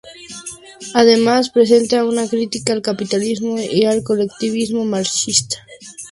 Además presenta una crítica al capitalismo y al colectivismo marxista.